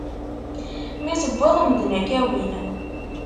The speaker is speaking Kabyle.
Mi tewwiḍ, medden ad k-awin.